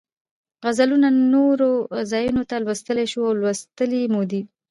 غزلونه نورو ځایونو کې لوستلی شو او لوستې مو دي.